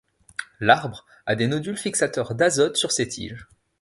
L'arbre a des nodules fixateurs d'azote sur ses tiges.